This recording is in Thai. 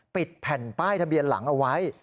ปิดแผ่นป้ายทะเบียนหลังเอาไว้